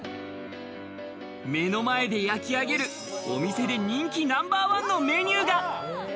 目の前で焼き上げる、お店で人気ナンバーワンのメニューが。